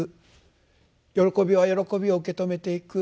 喜びは喜びを受け止めていく。